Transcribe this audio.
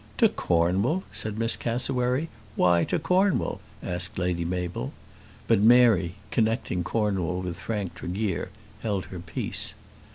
"To Cornwall!" said Miss Cassewary. "Why to Cornwall?" asked Lady Mabel. But Mary, connecting Cornwall with Frank Tregear, held her peace.